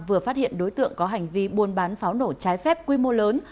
vừa phát hiện đối tượng có hành vi buôn bán pháo nổ trái phép quy mô lớn